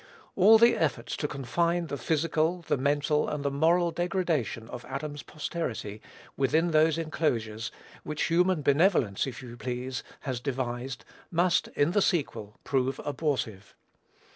All the efforts to confine the physical, the mental, and the moral degradation of Adam's posterity within those enclosures, which human benevolence, if you please, has devised, must, in the sequel, prove abortive.